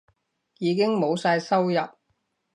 已經冇晒收入